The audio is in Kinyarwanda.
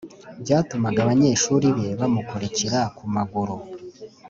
byatumaga abanyeshuri be bamukurikira ku maguru